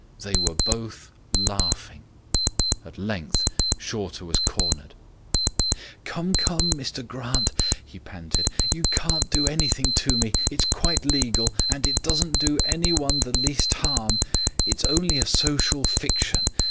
They were both laughing. At length Shorter was cornered. "Come, come, Mr Grant," he panted, "you can't do anything to me. It's quite legal. And it doesn't do any one the least harm. It's only a social fiction.